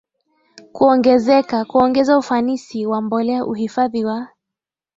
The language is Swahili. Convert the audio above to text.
kuongezeka kuongeza ufanisi wa mbolea uhifadhi wa